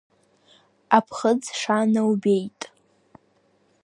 Аԥхыӡ шана убеит!